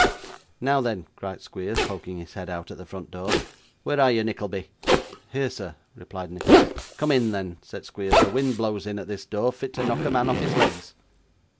'Now then!' cried Squeers, poking his head out at the front door. 'Where are you, Nickleby?' 'Here, sir,' replied Nicholas. 'Come in, then,' said Squeers 'the wind blows in, at this door, fit to knock a man off his legs.